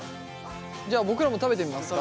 じゃあ僕らも食べてみますか？